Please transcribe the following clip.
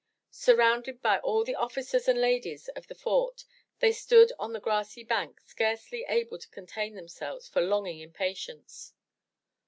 Surrounded by all the officers and ladies of the fort, they stood on the grassy bank, scarce able to contain them selves for longing impatience.